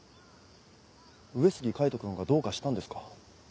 上杉海斗君がどうかしたんですか？